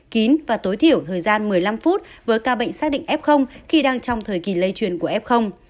kín và tối thiểu thời gian một mươi năm phút với ca bệnh xác định f khi đang trong thời kỳ lây truyền của f